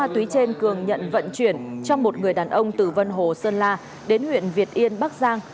ma túy trên cường nhận vận chuyển cho một người đàn ông từ vân hồ sơn la đến huyện việt yên bắc giang